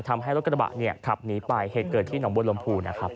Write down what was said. ทำให้รถกระบะเนี่ยขับหนีไปเหตุเกิดที่หนองบนลมภูนะครับ